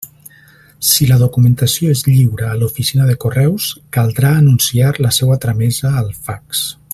Si la documentació es lliura a l'Oficina de Correus, caldrà anunciar la seva tramesa al fax.